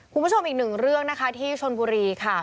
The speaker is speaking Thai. คุณผู้ชมอีกหนึ่งเรื่องนะคะที่ชนบุรีค่ะ